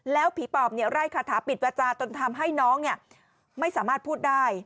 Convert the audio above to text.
แล้วผีปอบไล่คาถาปิดวาจาจนทำให้น้องไม่สามารถพูดได้